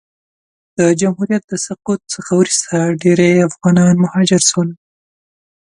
د جمهوریت د سقوط څخه وروسته ډېری افغانان مهاجر سول.